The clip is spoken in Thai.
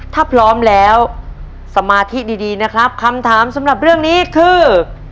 ถ้าพร้อมแล้วสมาธิดีนะครับคำถามสำหรับเรื่องนี้คือ